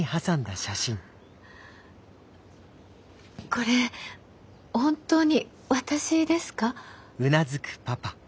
これ本当に私ですか？